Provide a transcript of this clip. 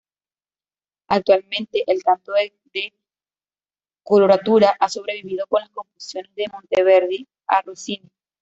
Actualmente el canto de coloratura ha sobrevivido con las composiciones de Monteverdi a Rossini.